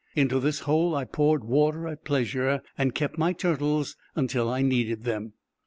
Into this hole I poured water at pleasure, and kept my turtles until I needed them.